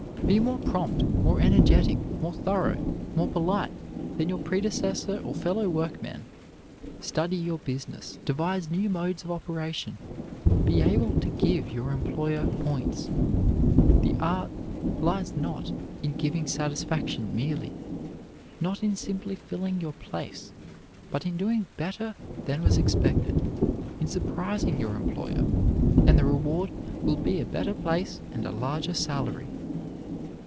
Be more prompt, more energetic, more thorough, more polite than your predecessor or fellow workmen. Study your business, devise new modes of operation, be able to give your employer points. The art lies not in giving satisfaction merely, not in simply filling your place, but in doing better than was expected, in surprising your employer; and the reward will be a better place and a larger salary.